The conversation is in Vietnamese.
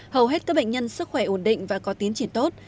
hầu hết các bệnh nhân sức khỏe ổn định và có tiến triển tốt